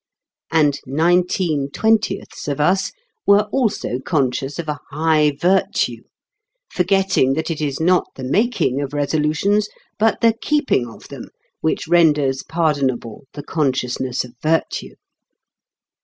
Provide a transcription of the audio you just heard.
And nineteen twentieths of us were also conscious of a high virtue, forgetting that it is not the making of Resolutions, but the keeping of them, which renders pardonable the consciousness of virtue.